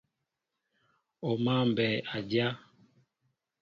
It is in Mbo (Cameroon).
O máál mbɛy a dyá.